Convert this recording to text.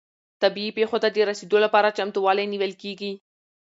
طبیعي پیښو ته د رسیدو لپاره چمتووالی نیول کیږي.